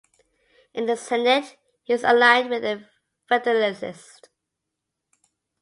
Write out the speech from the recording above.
In the Senate, he was aligned with the Federalists.